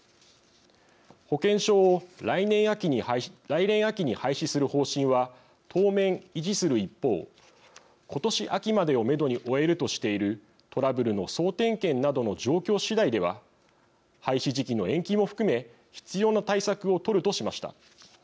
保険証を来年秋に廃止する方針は当面、維持する一方今年秋までをメドに終えるとしているトラブルの総点検などの状況次第では廃止時期の延期も含め必要な対策を取るとしました。